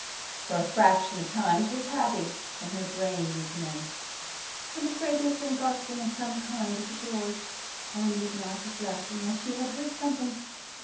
For a fraction of time she was happy. Then her brain recommenced. "I am afraid there has been gossiping of some kind at the George. Helen would not have left unless she had heard something.